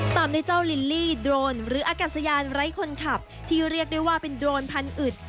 ตามด้วยเจ้าลิลลี่โดรนหรืออากาศยานไร้คนขับที่เรียกได้ว่าเป็นโดรนพันอึด